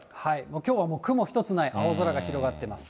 きょうは雲一つない青空が広がっています。